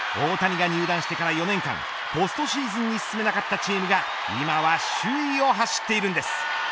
大谷が入団してから４年間ポストシーズンに進めなかったチームが今は首位を走っているんです。